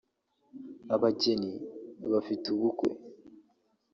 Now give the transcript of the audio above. Abageni bafite ubukwe